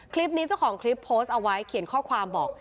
คลิปนี้เจ้าของคลิปโพสต์เอาไว้เขียนข้อความบอก